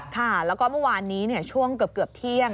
ค่ะแล้วก็เมื่อวานนี้ช่วงเกือบเที่ยง